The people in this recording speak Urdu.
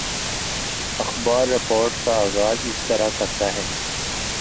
اخبار رپورٹ کا آغاز اس طرح کرتا ہے